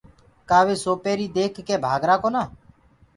ڪآ وي سوپيري ديک ڪي ڀآگرآ ڪونآ۔